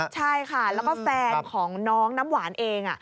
ใช่ค่ะแล้วก็แฟนของน้องน้ำหวานเอง